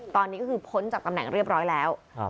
ตอนนี้ก็คือพ้นจากตำแหน่งเรียบร้อยแล้ว